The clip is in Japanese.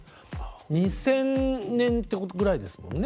２０００年ぐらいですもんね？